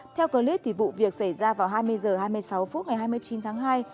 theo clip vụ việc xảy ra vào hai mươi h hai mươi sáu phút ngày hai mươi chín tháng hai